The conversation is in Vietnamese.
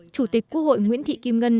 chủ tịch quốc hội nguyễn thị kim ngân